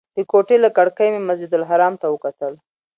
د کوټې له کړکۍ مې مسجدالحرام ته وکتل.